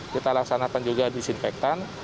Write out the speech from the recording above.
kita laksanakan juga disinfektan